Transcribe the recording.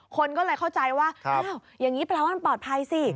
คนก็เลยเข้าใจว่าอ้าวอย่างนี้แปลว่ามันปลอดภัยสิ